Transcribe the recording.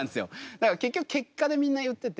だから結局結果でみんな言ってて。